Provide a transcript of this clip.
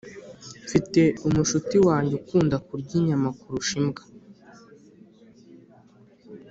Mfite umushuti wanjye ukunda kurya inyama kurusha imbwa